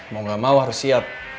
mau gak mau harus siap